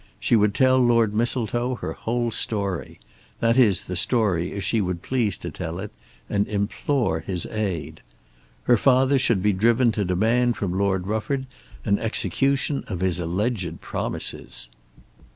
She would tell Lord Mistletoe her whole story, that is the story as she would please to tell it, and implore his aid. Her father should be driven to demand from Lord Rufford an execution of his alleged promises.